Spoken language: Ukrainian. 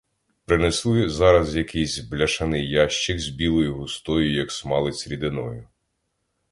Принесли зараз якийсь бляшаний ящик з білою густою як смалець рідиною.